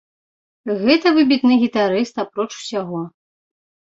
Гэта выбітны гітарыст, апроч усяго.